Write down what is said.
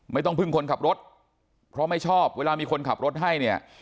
ไม่ต้องพึ่งคนขับรถเพราะไม่ชอบเวลามีคนขับรถให้เนี่ย